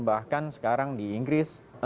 bahkan sekarang di inggris